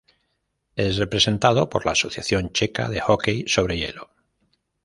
Es representada por la Asociación Checa de Hockey sobre Hielo.